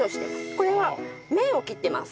これは麺を切ってます。